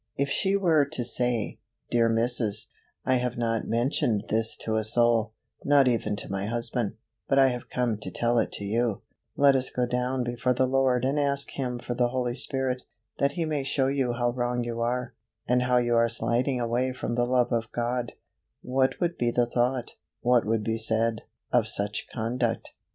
If she were to say, "Dear Mrs. , I have not mentioned this to a soul, not even to my husband, but I have come to tell it to you; let us go down before the Lord and ask Him for the Holy Spirit, that He may show you how wrong you are, and how you are sliding away from the love of God" what would be the thought, what would be said, of such conduct?